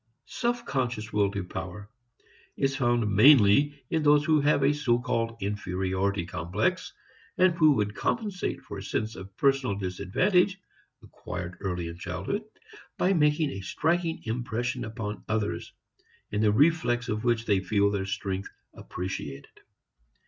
Self conscious will to power is found mainly in those who have a so called inferiority complex, and who would compensate for a sense of personal disadvantage (acquired early in childhood) by making a striking impression upon others, in the reflex of which they feel their strength appreciated.